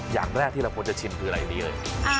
อย่างแรกที่เราควรจะชิมคืออะไรนี้เลย